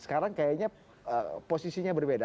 kayaknya posisinya berbeda